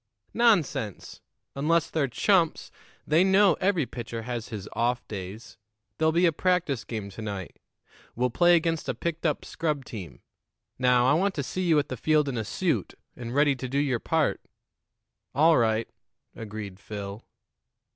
"Nonsense! Unless they're chumps, they know every pitcher has his off days. There'll be a practice game to night; we'll play against a picked up scrub team. Now, I want to see you at the field in a suit and ready to do your part." "All right," agreed Phil.